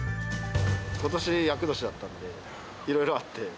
ことし、厄年だったんで、いろいろあって。